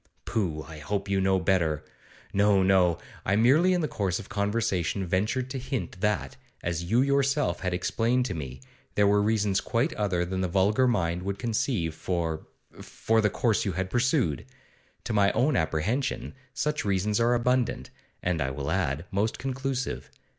Pooh, I hope I know you better! No, no; I merely in the course of conversation ventured to hint that, as you yourself had explained to me, there were reasons quite other than the vulgar mind would conceive for for the course you had pursued. To my own apprehension such reasons are abundant, and, I will add, most conclusive.